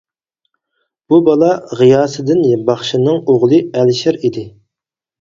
بۇ بالا غىياسىدىن باخشىنىڭ ئوغلى ئەلىشىر ئىدى.